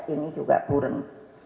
ini juga burung